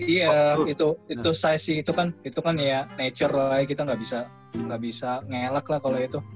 iya itu size itu kan itu kan ya nature lah ya kita nggak bisa ngelak lah kalau itu